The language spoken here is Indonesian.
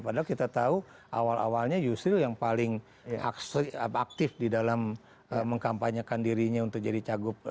padahal kita tahu awal awalnya yusril yang paling aktif di dalam mengkampanyekan dirinya untuk jadi cagup